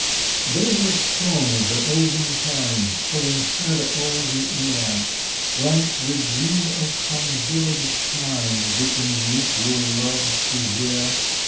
There's a song of the olden time, Falling sad o'er the ear, Like the dream of some village chime, Which in youth we loved to hear.